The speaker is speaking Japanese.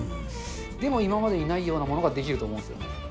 でも今までにないようなものが出来ると思うんですよね。